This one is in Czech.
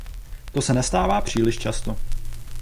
To se nestává příliš často.